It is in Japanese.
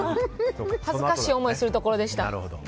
恥ずかしい思いするところでした。